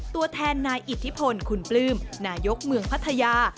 ตัวแทนนายอิทธิพลคุณปลื้มนายกเมืองพัทยา